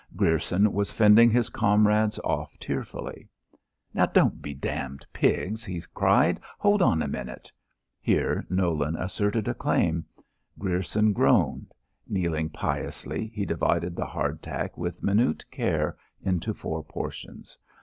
Grierson was fending his comrades off tearfully. "Now, don't be damn pigs," he cried. "Hold on a minute." Here Nolan asserted a claim. Grierson groaned. Kneeling piously, he divided the hard tack with minute care into four portions.